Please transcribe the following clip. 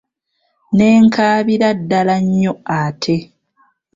Ne nkaabira ddala nnyo ate.